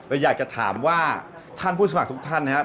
อยากจะถามว่าท่านผู้สมัครทุกท่านนะครับ